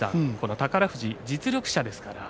宝富士、実力者ですから。